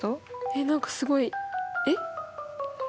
えっ何かすごいえっ？